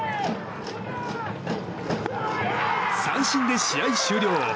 三振で試合終了。